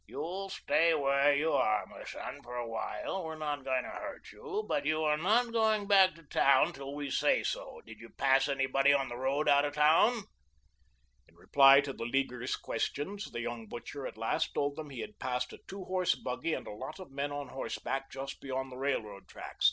"You'll stay where you are, m' son, for a while. We're not going to hurt you. But you are not going back to town till we say so. Did you pass anybody on the road out of town?" In reply to the Leaguers' questions, the young butcher at last told them he had passed a two horse buggy and a lot of men on horseback just beyond the railroad tracks.